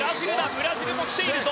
ブラジルも来ているぞ。